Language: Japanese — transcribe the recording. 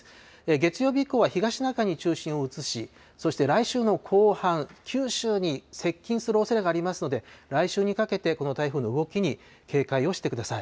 月曜日以降は東シナ海に中心を移し、そして来週の後半、九州に接近するおそれがありますので、来週にかけて、この台風の動きに警戒をしてください。